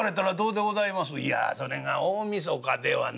「いやそれが大晦日ではな」。